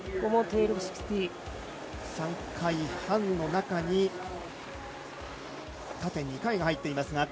３回半の中に縦２回が入っています。